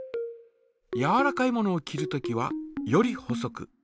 やわらかいものを切るときはより細く。